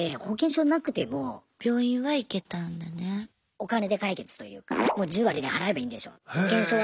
お金で解決というかもう１０割で払えばいいんでしょって。